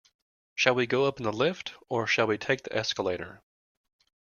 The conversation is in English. Shall we go up in the lift, or shall we take the escalator?